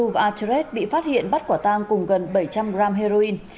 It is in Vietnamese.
trong lúc giao dịch ma túy azu và atret bị phát hiện bắt quả tang cùng gần bảy trăm linh gram heroin